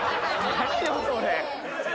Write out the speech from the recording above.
何よそれ。